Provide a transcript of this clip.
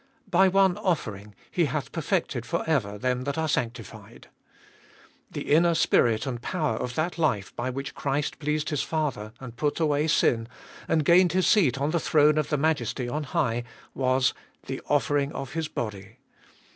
" By one offering He hath perfected for ever them that are sanctified." The inner spirit and power of that life by which Christ pleased His Father, and put away sin, and gained His seat on the throne of the Majesty on high, was — the offering of His body.